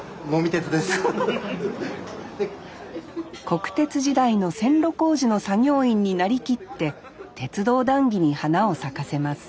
国鉄時代の線路工事の作業員になりきって鉄道談義に花を咲かせます